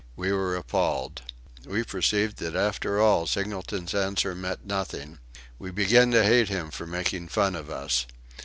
We were appalled. We perceived that after all Singleton's answer meant nothing. We began to hate him for making fun of us.